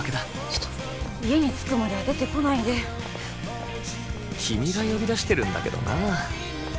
ちょっと家に着くまでは出てこないで君が呼び出してるんだけどな